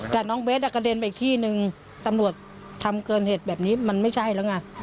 แต่น้องเบสกระเด็นไปอีกที่นึงตำรวจทำเกินเหตุแบบนี้มันไม่ใช่แล้วไง